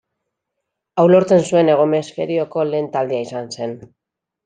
Hau lortzen zuen Hego hemisferioko lehen taldea izan zen.